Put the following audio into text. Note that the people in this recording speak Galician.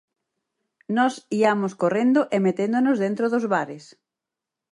Nós iamos correndo e meténdonos dentro dos bares.